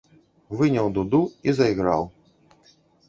Выняў дуду і зайграў.